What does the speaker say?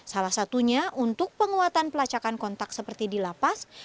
salah satunya untuk penguatan pelacakan kontak seperti di lapas